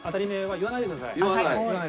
言わないでくださいね。